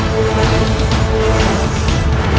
fokus perang kita ke